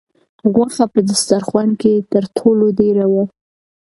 غوښه په دسترخوان کې تر ټولو ډېره وه.